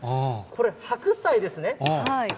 これ、白菜ですね。